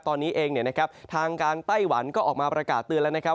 ตอนนี้เองทางการไต้หวันก็ออกมาประกาศเตือนแล้วนะครับ